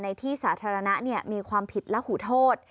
ในที่สาธารณะมีความผิดและหูโทษ